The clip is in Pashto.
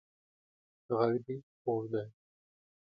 غږ دې خوږ دی